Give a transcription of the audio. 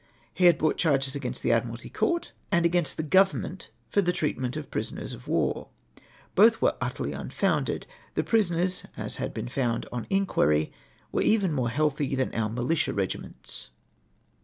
He had brought charges against the Admiralty Court, and against the Government for tlie treatment of the prisoners of war. Both were utterly unfounded. The prisoners, as had been found on inquiry, were even more healthy than our militia regiments.